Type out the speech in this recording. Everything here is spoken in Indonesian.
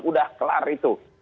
sudah kelar itu